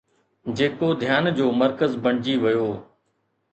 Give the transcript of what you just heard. جيڪو ڌيان جو مرڪز بڻجي ويو